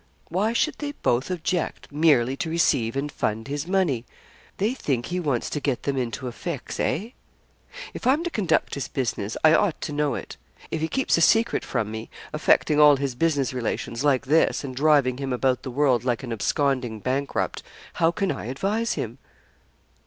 Why should they both object merely to receive and fund his money? They think he wants to get them into a fix hey? If I'm to conduct his business, I ought to know it; if he keeps a secret from me, affecting all his business relations, like this, and driving him about the world like an absconding bankrupt, how can I advise him?'